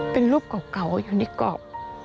เป็นรูปเก่าอยู่ในเกาะ